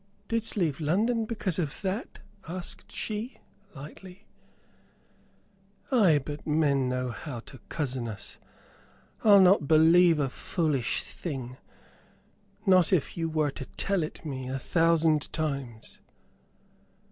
"Didst leave London because of that?" asked she, lightly. "Ay, but men know how to cozen us! I'll not believe a foolish thing, not if you were to tell it me a thousand times."